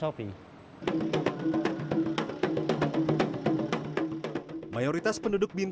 novi masjid terkenal yang worshiper part